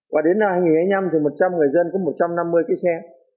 và đến năm hai nghìn hai mươi năm thì một trăm linh người dân có một trăm năm mươi cái xe